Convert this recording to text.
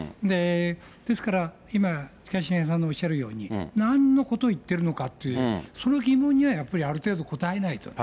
ですから今、近重さんがおっしゃるように、なんのことを言っているのかという、その疑問にある程度答えないとね。